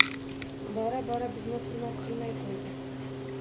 Bora-bora bizni hurmat qilmay qo`ydi